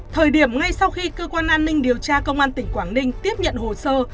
thời điểm ngay sau khi cơ quan an ninh điều tra công an tỉnh quảng ninh tiếp nhận hồ sơ